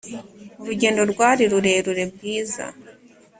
urugendo rwari rurerure bwiza